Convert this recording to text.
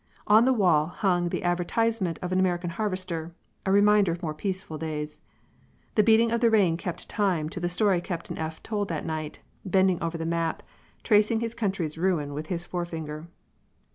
On the wall hung the advertisement of an American harvester, a reminder of more peaceful days. The beating of the rain kept time to the story Captain F told that night, bending over the map and tracing his country's ruin with his forefinger.